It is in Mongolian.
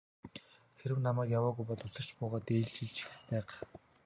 Хэрэв намайг яваагүй бол үсэрч буугаад ээлжилчих л байх.